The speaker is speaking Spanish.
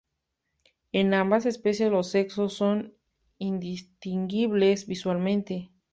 En ambas especies los sexos son indistinguibles visualmente.